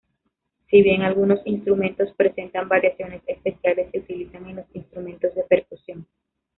Si bien algunos instrumentos presentan variaciones especiales, se utilizan en los instrumentos de percusión.